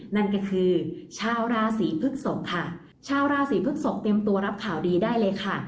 นั่นก็คือชาวราศีพฤกษกค่ะชาวราศีพฤกษกเตรียมตัวรับข่าวดีได้เลยค่ะ